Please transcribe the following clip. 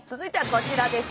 こちらです！